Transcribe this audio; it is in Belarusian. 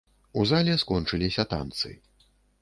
У зале скончыліся танцы.